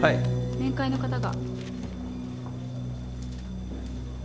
面会の方が。